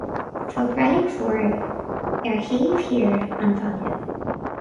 Tá reilig mhór ar thaobh thiar an bhaile